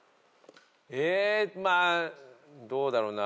えーまあどうだろうな。